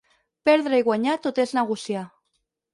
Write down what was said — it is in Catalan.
Perdre i guanyar tot és negociar.